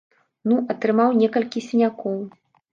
Ну, атрымаў некалькі сінякоў.